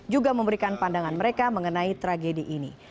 juga memberikan pandangan mereka mengenai tragedi ini